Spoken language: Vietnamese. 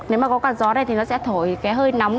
nếu mà có quạt gió này thì nó sẽ thổi hơi nóng